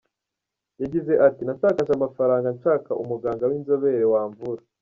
Yagize ati “Natakaje amafaranga nshaka umuganga w’ inzobere wamvura.